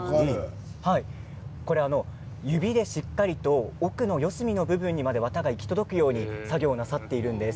これ指でしっかりと奥の四隅の部分にまで綿が行き届くように作業をなさっているんです。